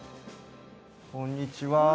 こんにちは。